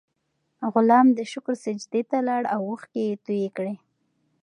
غلام د شکر سجدې ته لاړ او اوښکې یې تویې کړې.